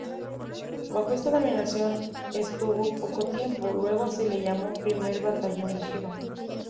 Bajo esta denominación estuvo poco tiempo, luego se le llamó "Primer Batallón Ligero".